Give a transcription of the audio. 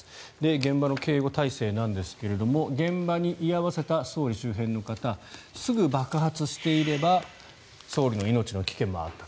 現場の警護態勢なんですが現場に居合わせた総理周辺の方すぐ爆発していれば総理の命の危険もあった。